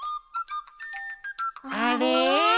あれ？